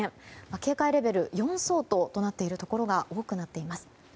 警戒レベル４相当となっているところが多くなっています。